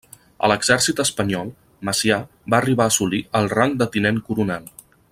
A l'Exèrcit espanyol, Macià va arribar a assolir el rang de tinent coronel.